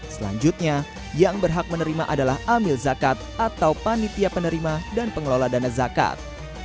selanjutnya yang berhak menerima adalah amil zakat atau panitia penerima dan pengelola dana zakat